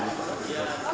dan sudah berkeluarga